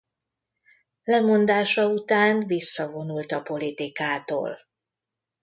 Lemondása után visszavonult a politikától.